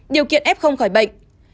điều kiện f khỏi bệnh